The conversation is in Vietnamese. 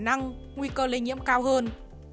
nhưng nguy cơ lây nhiễm cao hơn